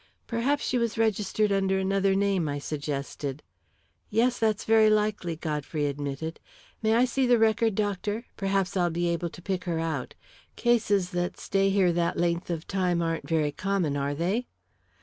"Perhaps she was registered under another name," I suggested. "Yes, that's very likely," Godfrey admitted. "May I see the record, doctor? Perhaps I'll be able to pick her out. Cases that stay here that length of time aren't very common, are they?"